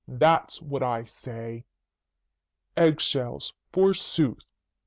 That's what I say. Egg shells, forsooth!"